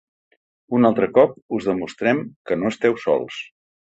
Un altre cop us demostrem que no esteu sols.